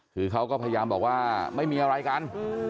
คือเขาก็พยายามบอกว่าไม่มีอะไรกัน